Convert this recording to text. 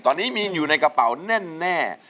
ตอนนี้มีอยู่ในกระเป๋าแน่